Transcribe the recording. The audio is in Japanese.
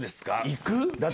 行く？